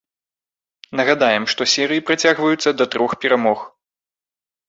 Нагадаем, што серыі працягваюцца да трох перамог.